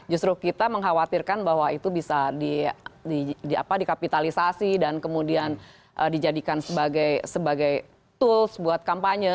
justru kita mengkhawatirkan bahwa itu bisa dikapitalisasi dan kemudian dijadikan sebagai tools buat kampanye